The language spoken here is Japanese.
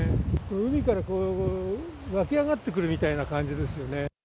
海から湧き上がってくるみたいな感じですよね。